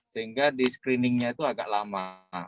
sehingga di screeningnya itu agak lama